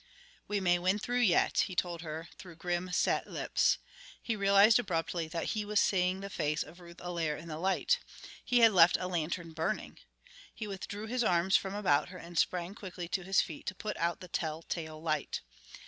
"We may win through yet," he told her through grim, set lips. He realized abruptly that he was seeing the face of Ruth Allaire in the light. He had left a lantern burning! He withdrew his arms from about her and sprang quickly to his feet to put out the tell tale light.